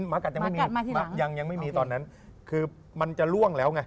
หมากัดยังไม่มียังไม่มีตอนนั้นคือมันจะล่วงแล้วไง